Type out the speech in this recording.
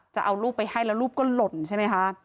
จะเอารูปไปให้แล้วรูปก็หล่นใช่ไหมคะ